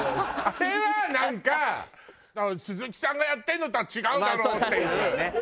あれはなんか鈴木さんがやってるのとは違うんだろうっていうそう。